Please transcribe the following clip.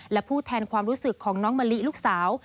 และผู้แทนความรู้สึกของน้องมะลิลูกสาว